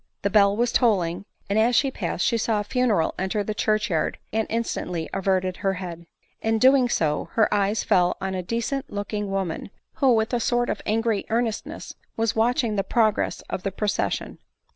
The bell was tolling ; and as she passed she saw a funeral enter the church yard, and instantly averted her head. In so doing her eyes fell on a decent looking woman, who with a sort of angry earnestness was watching the progress of the procession.